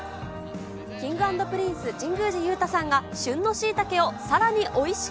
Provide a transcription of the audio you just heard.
Ｋｉｎｇ＆Ｐｒｉｎｃｅ・神宮寺勇太さんが旬のしいたけをさ